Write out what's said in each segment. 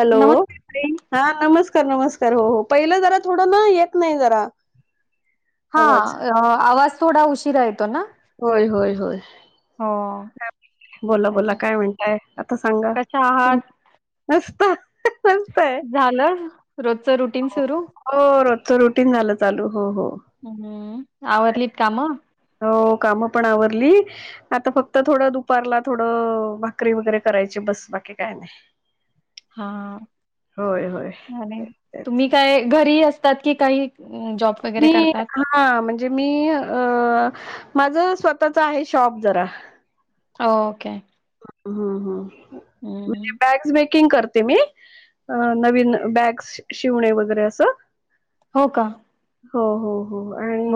Hello नमस्ते ताई. हा नमस्कार नमस्कार तर हो हो पहिलं जरा थोडं ना एक नाही जरा हा आवाज आवाज थोडा उशीरा येतो ना? होय होय होय हो बोला बोला चालेल. काय म्हणताय आता सांगा कशा तुम आहात? नसता सस्त झालं रोजचं रुटीन सुरू? हाय रुटीन झालं चालू हो हो हम्म आवरलीत काम हो कामं पण आवरली आता फक्त थोडं दुपारला थोडं भाकरी वगैरे कर करायची बस बाकी काय नाही हा होय होय तेच तुम्ही काय घरी असतात की काही अ, जॉब वगैरे मी करतात? हा म्हणजे मी अ माझं स्वतःच आहे शॉप जरा ओके हम्म हम्म म्हणजे हं. बॅग्स बिग किंग करते मी अ नवीन बॅग्स शिवणे वगैरे असं हो का हो हो हो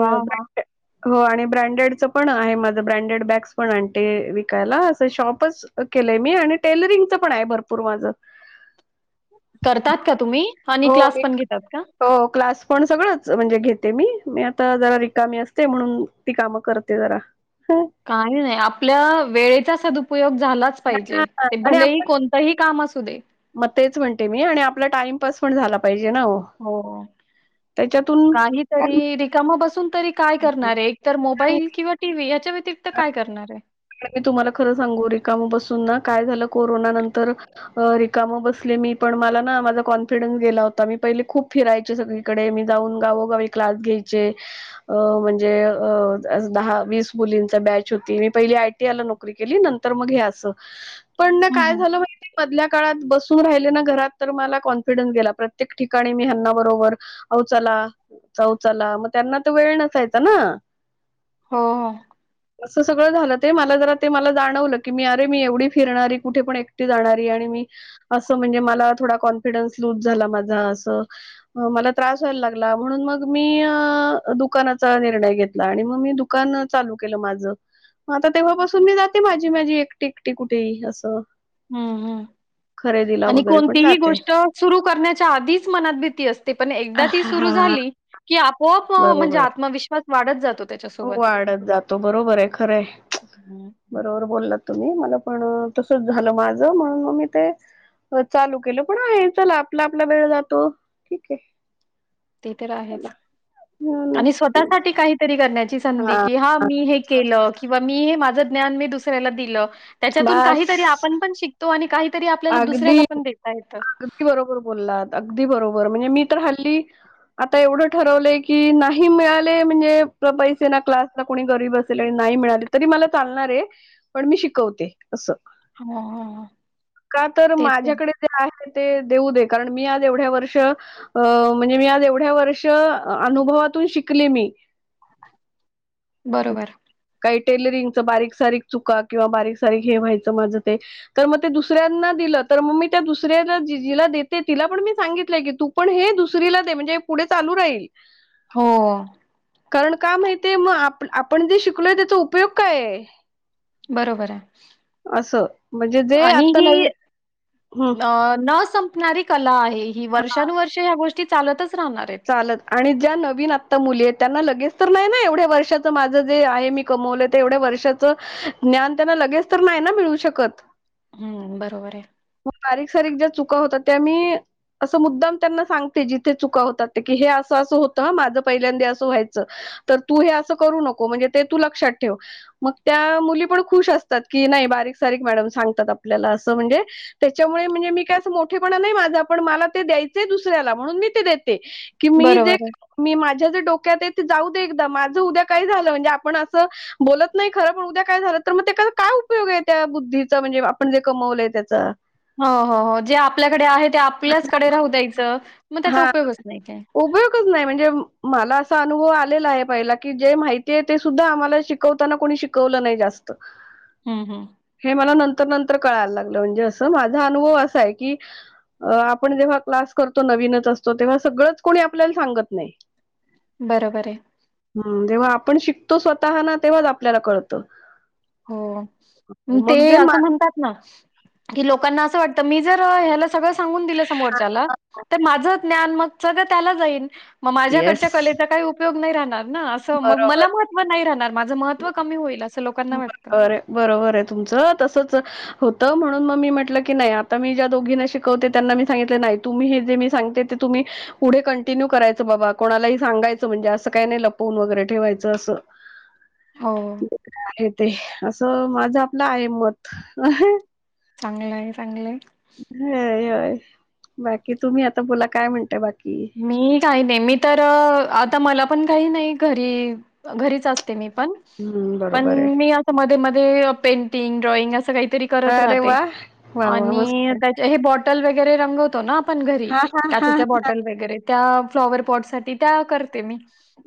वाह! वाह! हो आणि ब्रँडेडचं पण आहे माझं ब्रँडेड बॅग्स पण आणते विकायला शॉपच केलंय मी आणि टेलरिंगच पण आहे भरपूर माझं करतात का तुम्ही? आणि हो क्लास मी पण घेतात का हो क्लास पण सगळंच म्हणजे घेते मी मी आता जरा रिकामी असते म्हणून ती कामं करते जरा काही नाही आपल्या वेळेचा सदुपयोग झालाच हा पाहिजे ते आणि भलेही आपण कोणतंही काम असू दे मग तेच म्हणते मी आणि आपला टाइमपास पण झाला पाहिजे हो त्याच्यातून काय काहीतरी रिकामं बसून तरी काय नाही करणारये एक तर मोबाईल किंवा टी व्ही याच्या व्यतिरिक्त काय करणार आहे? मी तुम्हाला खरं सांगू रिकाम बसून ना काय झालं कोरोना नंतर रिकाम बसले मी पण मला ना माझा कॉन्फिडन्स गेला होता मी पहिले खूप फिरायचे सगळीकडे मी जाऊन गावोगावी क्लास घ्यायचे अ म्हणजे अ दहा वीस मुलींचा ची बॅच होती मी पहिली आयटीआयला नोकरी केली नंतर मग हे असं पण ना हं, काय हं. झालं माहितीये मधल्या काळात बसून राहिले ना घरात तर मला कॉन्फिडन्स गेला प्रत्येक ठिकाणी मी ह्यांना बरोबर अहो चला अहो चला मग त्यांना तर वेळ नसायचा ना हो असं सगळं झालं ते मला जरा ते मला जाणवलं की मी अरे मी एवढी फिरणारी कुठे पण एकटी जाणारी आणि असं म्हणजे मला थोडा कॉन्फिडन्स लूझ झाला माझा असं मग मला त्रास व्हायला लाग ला म्हणून मग मी अं दुकानाचा निर्णय घेतला आणि मग मी दुकान चालू केलं माझ मग आता तेव्हापासून मी जाते माझी माझी एकटी एकटी कुठेही असं हम्म हम्म खरेदीला आणि वगैरे पण कोणतीही जाते गोष्ट सुरू करण्याच्या आधीच मनात भीती असते पण एकदा ती सुरू हा झाली की आपोआप म्हणजे आत्मविश्वास वाढत जातो हो त्याच्यासोबत. वाढत जातो बरोबर आहे खरं आहे हं. बरोबर बोललात तुम्ही मला पण तसच झालं माझं म्हणून मग मी ते चालू केलं पण आहे चला आपला आपला वेळ जातो ठीक आहे ते तर चला आहेच आणि स्वतःसाठी काहीतरी करण्याची संधी कि हा मी हे केलं किंवा मी हे माझं ज्ञान मी दुसऱ्याला दिलं त्याच्यातून बस काहीतरी आपण पण शिकतो आणि काही अगदी अगदी बरोबर बोललात अगदी बरोबर म्हणजे मी तर हल्ली आता एवढं ठरवलंय की नाही मिळाले म्हणजे पैसे ना क्लासला कोणी गरीब असेल आणि नाही मिळाले तरी मला चालणार आहे पण मी शिकवते असं हा हा हा का तर माझ्याकडे जे आहे ते देऊ दे कारण मी आज एवढ्या वर्ष म्हणजे मी आज एवढ्या वर्ष अनुभवात तून शिकले मी बरोबर काही टेलरिंग च बारीक सारीक चुका किंवा बारीक सारीक हे व्हायचं माझं ते तर मग ते दुसऱ्यांना तर मग मी त्या दुसऱ्याला जिला देते तिला पण मी सांगितलंय की तू पण हे दुसरीला दे म्हणजे पुढे चालू राहील हो कारण का माहितीय मग आपण जे शिकलोय त्याचा उपयोग काय आहे बरोबर आहे अससं आणि ही हम्म न संपणारी कला आहे ही वर्षानुवर्ष ह्या गोष्टी चालतच राहणार आहेत. चालत आणि ज्या नवीन आत्ता मुली आहेत त्यांना लगेच तर नाही ना एवढ्या वर्षाचं माझं जे आहे मी कमवलं ते एवढ्या वर्षातच ज्ञान त्यांना लगेच तर नाही ना मिळू शकत हं, बरोबर आहे. म बारीक सारीक ज्या चु चुका होतात त्या मी अस मुद्दाम त्यांना सांगते. जिथे चुका होतात. ते की हे असं असं होतं माझं पहिल्यांदा असं व्हायचं तर तू हे असं करू नको म्हणजे ते तू लक्षात ठेव. मग त्या मुली पण खुश असतात की नाही बारीक सारीक मॅडम सांगतात आपल्याला असं म्हणजे त्याच्यामुळे म्हणजे मी काय असं मोठेपणा नाही माझा पण मला ते द्यायचंय दुसऱ्याला म्हणून मी ते देते. की मी जे बरोबर आहे. मी माझ्या जे डोक्यात आहेत ते जाऊ दे एकदा माझ उद्या काय झालं म्हणजे आपण असं बोलत नाही खर पण उद्या काय झालं तर मग ते काय, काय उपयोग आहे त्या बुद्धीचा म्हणजे आपण जे कमवलंय त्याचा. हो, हो, हो, जे आपल्याकडे आहे ते आपल्याचकडे राहू द्यायचं मग त्याचा हा उपयोगच नाही. काही. उपयोगच नाही म्हणजे मला असा अनुभव आलेला आहे पहिला की जे माहिती आहे ते सुद्धा आम्हाला शिकवताना कोणी शिकवलं नाही जास्त. हम्म, हम्म. हे मला नंतर नंतर कळायला लागलं म्हणजे अस माझा अनुभव असा आहे की अ आपण जेव्हा क्लास करतो नवीनच असतो तेव्हा सगळंच कोणी आपल्याला सांगत नाही. बरोबर आहे. हम जेव्हा आपण शिकतो स्वतः ना तेव्हाच आपल्याला कळतं. हो ते मग जे मा असं म्हणतात ना की लोकांना असं वाटत मी जर हे ला सगळ सांगून दिल समोरच्याला तर माझ ज्ञान मग सगळ त्याला जाईल मग येस माझ्याकडच्या कलेचा काही उपयोग नाही राह ना असं मग बरोबर मला महत्व नाही राहणार माझं महत्व कमी होईल असं लोकांना वाट बर बरोबर आहे तुमचं तसच होतं. म्हणून मग मी म्हटलं की नाही आता मी ज्या दोघीना शिकवते त्यांना मी सांगितलं नाही तुम्ही हे जे मी सांगते ते तुम्ही पुढे कंटिन्यू करायचं बाबा कोणालाही सांगायचं म्हणजे असं काही नाही लपवून वगैरे ठेवायचं असं [inaudible] हो. हे ते असं माझं आपलं आहे मत. चांगलंय आहे चांगलंय. ह होय बाकी तुम्ही आता बोला काय म्हणताय बाकी मी काही नाही मी तर आता मला पण काही नाही घरी घरीच अस ते मी पण. हम्म, पण बरोबर आहे. मी अस मध्ये-मध्ये पेंटिंग, ड्रॉइंग अस काही त काही तरी करत अरे राहते. वाह! वाह! वाह! मस्त. आणि त्याच्या ही [unintelligible] बॉटल वगैरे रंगवतो ना आपण घरी हां, हां, हां. काचेच्या बॉटल वगैरे त्या फ्लॉवर पॉट साठी त्या करते मी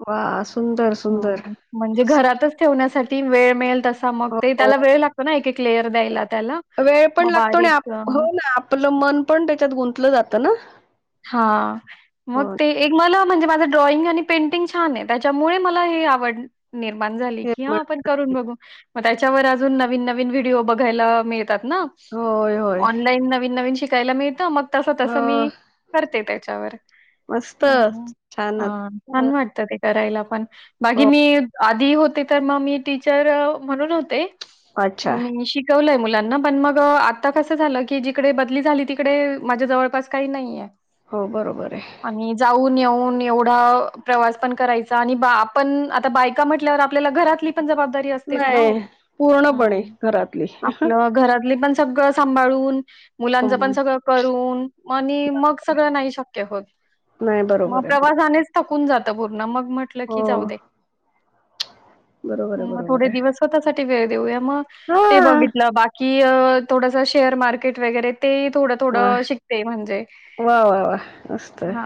वाह! सुंदर, [inaudible] सुंदर. म्हणजे मस्त. घरातच ठेवण्यासाठी ती वेळ मिळेल तस ती मग ते हो, त्याला वेळ लागतो ना एक-एक लेअर हो. द्यायला त्याला वेळ पण मग लागतो आणि आप बारीक हो ना आपलं मन पण त्याच्यात गुंतलं जात ना. हा मग हो ते एक मल म्हणजे माझं ड्रॉइंग आणि पेंटिंग छान आहे त्याच्यामुळे मला हे आवड निर्माण झाली ते की हा पण आपण करून बघू मग त्याच्यावर अजून नवीन नवीन व्हिडिओ बघायला मिळ त्यात ना. होय, होय. ऑनलाईन नवीन नवीन शिकायला मिळत मग तस-तस हं, मी करते त्याच्यावर. मस्त छानच. हा छान हं, वाटते. करायला पण बागी हो. मी आधी होते तर मग मी टीचर म्हणून होते. अच्छा. मी शिकवलंय मुलांना पण मग आता कसं झालं की जिकडे बदली झाली तिकडे माझ्या जवळपास काही नाहीय. हो बरोबर आहे. पण एवढा प्रवास पण करायचा आणि आपण आता बायका म्हटल्यावर आपल्याला घरातली पण जबाबदारी असतेच ना ओ. नाही पूर्णपणे घरातली. [inaudible] आपलं घरातल पण स सगळ सांभाळून मुलांच पण हं, सगळ करून आणि मग सगळ नाही शक्य होत नाही मग बरोबर आहे, बरोबर. प्रवासानेच थकून जात पूर्ण मग म्हटलं हो, की जाऊ दे. बरोबर आहे, मग बरोबर थोडे आहे. दिवस स्वतःसाठी वेळ देऊया मग ते हां. बघितलं बाकी अ थोडस शेअर मार्केट वगैरे ते ही थोडं थोडं वाह! शिकते म्हणजे वाह, वाह, वाह! मस्त हा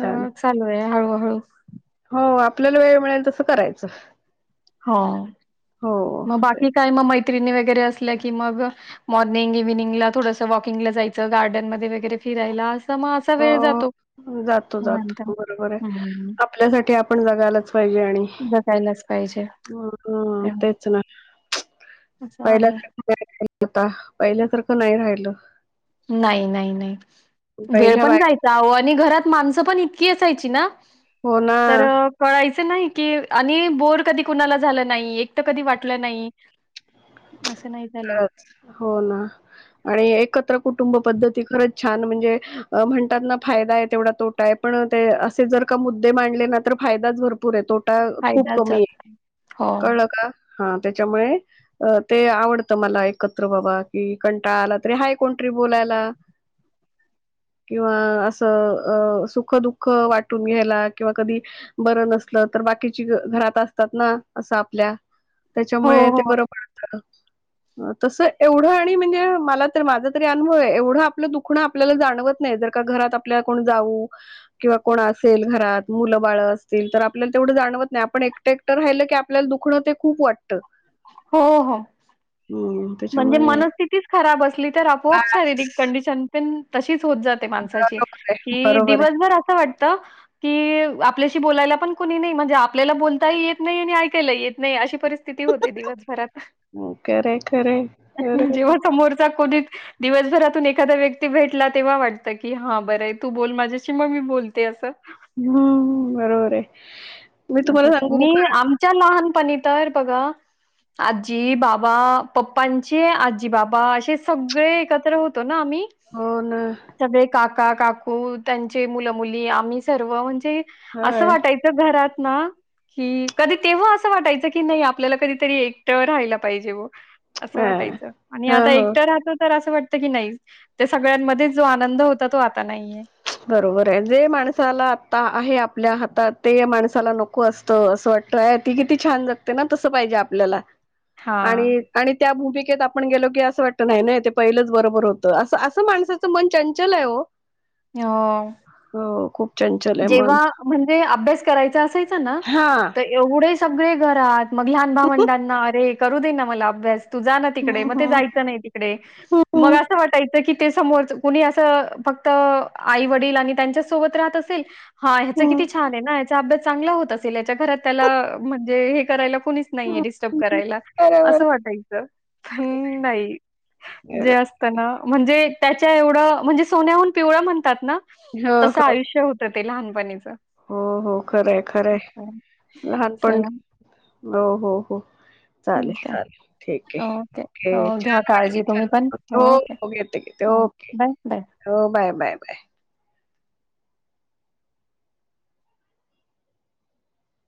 छान. चालू आहे हळूहळू हो आपल्याला वेळ मिळेल तसं करायचं. हो. हो म बाकी तेच. काय मैत्रिणी वैग रे असल्या की मग मॉर्निंग इव्हनिंगला थोडस वॉकिंग ला जायचं गार्डन मध्ये वगैरे फिरायला अस त म असा हो, वेळ जातो. जातो निवांत. जातो बरोबर आहे. हम्म. आपल्यासाठी आपण जगायलाच पाहिजे आणि जगायलाच पाहिजे मग तेव्हा तेच ना असं पहिल्या आहे. [unintelligible] होता पहिल्यासारखं नाही राहिलं. नाही नाही नाही वेळ पहिल्या पण बायका जायचा आहो आणि घरात माणसं पण इतकी सायची ना हो ना तर कळाय चं नाही आणि बोर कधी कुणाला झाल नाही एकट कधी वाटल नाही. असं नाही झालं हो ना आणि एकत्र कुट टुंब पद्धती खरच छान म्हणजे म्हणतात ना फायदा आहे तेवढा तोटा य पण असे जर का मुद्दे मांडले ना तर फायदाच भरपूर आहे तोटा खूप फायदाच कमी आहे होता. हो कळलं का? हा त्याच्यामुळे ते आवड त मला एकत्र बाबा की कंटाळा आला तरी हाय कोणतरी बोलायला. किंवा असं अ सुख दुःख वाटून घ्यायला किंवा कधी बर नसल तर बाकीची घ घरात असतात ना असं आपल्या हो त्याच्यामुळे ते बरं पडत. तस एवढं आणि म्हणजे मला तर माझा तरी अनुभव ये एवढं आपलं दुखणं आपल्याला जाणवत नाय नाय जर का घरात आपल्या जाऊ किंवा कोणं असेल घरात मुलं बाळ असतील तर आपल्याला तेव जाणवत नाय आपण एकट एकटं रायलं की आपल्याला दुखणं ते खूप वाटत. हो हो. म्हणजे त्याच्यामुळे मनस्थितिच खराब असली तर आपोआप शारीरिक कंडिशन पण तशीच होत जाते माणसाची बरोबर आहे की बरोबर आहे. दिवसभर अस वाटत की आपल्याशी बोलायला पण कोणी नाही म्हणजे आपल्याला बोलताही येत नाही आणि ऐकायलाही येत नाही अशी परिस्थिती होते दिवसभरात खरंय खरंय बरोबर आहे. जेव्हा समोरचा कोणी दिवसभरातून एखादा व्यक्ती भेटला तेव्हा वाटत की हा बरं आहे तू बोल माझ्याशी मग मी बोलते असं हम्म बरोबर ये. अच्छा अच्छा मी आमच्या लहानपणी तर बघा आजी बाबा पप्पांचे आजी बाबा असे सगळे एकत्र होतो. म आम्ही हो ना. सगळे काका काकू त्यांचे मुलं मुली आम्ही सर्व म्हणजे ते असं होय. वाटायचं घरात ना की कधी तेव्हा असं वाटायचं की नही आपल्याला कधीतरी एकट राहायला पाहिजे बुआ असं हां. वाटायचं आणि हो, आता हो. एकटं राहतो तर असं वाट की नाही ते सगळ्यांमध्येच जो आनंद होता तो आता नाहीये. बरोबर आहे जे माणसाला आता आहे आपल्या हातात ते माणसाला नको असत असं [unintelligible] ती किती छान जगते ना तसं पाहिजे आपल्याला हां आणि आणि त्या भूमि केत आपण गेलो की अस वाटत नाही नाही ते पहिलंच बरोबर होत अस असं माणसाचं मन चंचल आहे ओ. हो. चंचल आहे मन. जेव्हा म्हणजे अभ्यास करायचा असायच ना हां. तर एवढे सगळे घरात मग लहान भावंडांना अरे करू दे ना मला अभ्यास. तू जा ना तिकडे हं, मग ते हं. जायचं नाय तिकडे हं, मग हं. असं वाटायचं की ते समोरच कुणी असं फक्त आई वडील आणि त्यांच्या सोबत राहत असेल. हा ह्याच किती हं, छान आहे ना ह्याचा अभ्यास चांगला होत असेल याच्या घरात त्याला म्हणजे हे करायला कुणीच नाहीये डिस्टर्ब हं. करायला बरोबर. असं वाटायचं पण नाई जे बरोबर. असत ना म्हणजे त्याच्या एवढं म्हणजे सोन्याहून पिवळ म्हणतात ना हो, तसं हो. आयुष्य होतं ते लहानपणीचं हो हो खरंय खरंय बरं. लहानपण चला हो हो हो चालेल ठीक आहे. चालेल ठीक आहे ओके हो घ्या काळजी तुम्ही पण. [unintelligible] होे ओके. हो घेते घेते हो ओके बाय बाय हो बाय बाय बाय